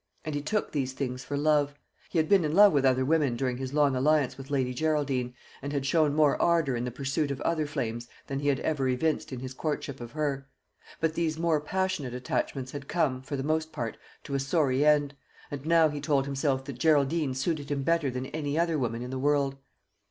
And he took these things for love. He had been in love with other women during his long alliance with Lady Geraldine, and had shown more ardour in the pursuit of other flames than he had ever evinced in his courtship of her; but these more passionate attachments had come, for the most part, to a sorry end; and now he told himself that Geraldine suited him better than any other woman in the world.